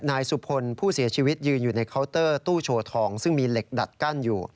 นายสุพลผู้เสียชีวิตยืนอยู่ในเคาน์เตอร์ตู้โชว์ทองซึ่งมีเหล็กดัดกั้นอยู่